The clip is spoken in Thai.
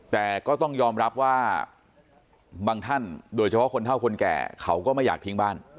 แต่ก็ต้องยอมรับว่าบางท่านโดยเฉพาะคนเท่าคนแก่เขาก็ไม่อยากทิ้งบ้าน